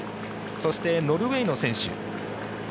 そして、ノルウェーの選手